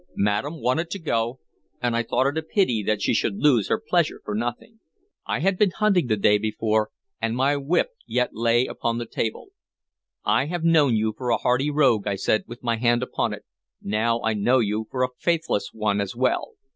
Madam wanted to go, and I thought it a pity that she should lose her pleasure for nothing." I had been hunting the day before, and my whip yet lay upon the table. "I have known you for a hardy rogue," I said, with my hand upon it; "now I know you for a faithless one as well.